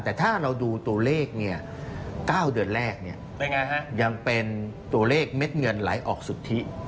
แต่ถ้าเราดูตัวเลข๙เดือนแรกยังเป็นตัวเลขเม็ดเงินไหลออกสุทธิ